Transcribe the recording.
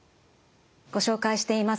ご紹介しています